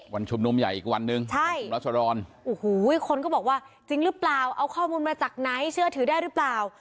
ชุมนุมใหญ่อีกวันหนึ่งใช่คุณรัชดรโอ้โหคนก็บอกว่าจริงหรือเปล่าเอาข้อมูลมาจากไหนเชื่อถือได้หรือเปล่า